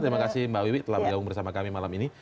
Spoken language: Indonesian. terima kasih mbak wiwi telah bergabung bersama kami malam ini